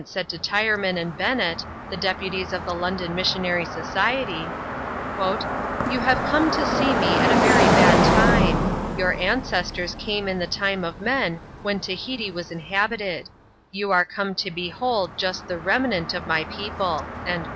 said to Tyreman and Bennet, the deputies of the London Missionary Society, " You have come to see me at a very bad time. Your ancestors came in the time of men, when Tahiti was inhabited : you are come to behold just the remnant of my people."